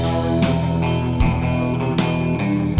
kamu sudah welang